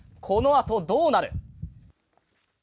このあとどうなる？